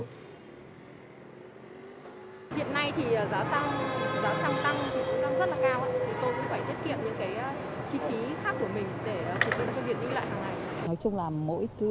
hiện nay thì giá xăng tăng rất là cao tôi cũng phải thiết kiệm những chi phí khác của mình